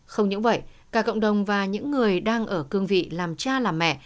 không những vậy cả cộng đồng và những người đang ở cương vị làm cha làm mẹ